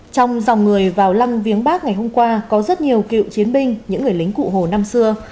trong dòng người vào lăng viếng bắc ngày hôm qua có rất nhiều cựu chiến binh những người lính cụ hồ năm xưa